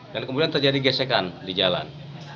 dan kemudian terjadi gesekan di jalan